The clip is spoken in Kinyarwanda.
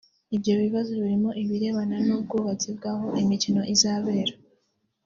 Ibyo bibazo birimo ibirebana n'ubwubatsi bw'aho imikino izabera